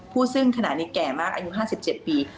ซึ่งขณะนี้แก่มากอายุ๕๗ปี